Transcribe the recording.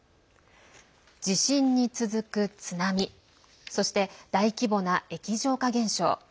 地震に続く津波そして大規模な液状化現象。